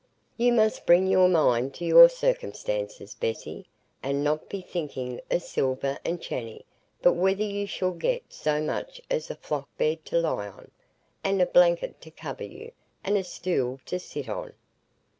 You must bring your mind to your circumstances, Bessy, and not be thinking o' silver and chany; but whether you shall get so much as a flock bed to lie on, and a blanket to cover you, and a stool to sit on.